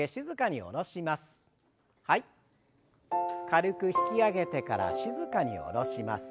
軽く引き上げてから静かに下ろします。